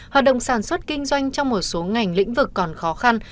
hoạt động sản xuất kinh doanh trong một số ngành lĩnh vực còn khó khăn